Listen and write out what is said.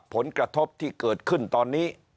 ผลกระทบที่เกิดขึ้นตอนนี้